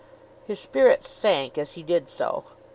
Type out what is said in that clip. His spirits sank as he did so.